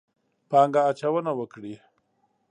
پانګه اچونه وکړي.